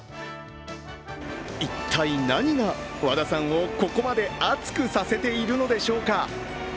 一体何が、和田さんをここまで熱くさせているのでしょうか。